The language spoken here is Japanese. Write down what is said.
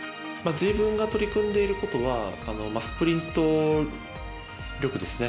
自分が取り組んでいることはスプリント力ですね。